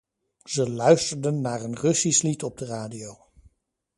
Ze luisterden naar een Russisch lied op de radio.